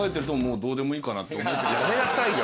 やめなさいよ